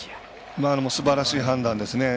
今のもすばらしい判断ですね。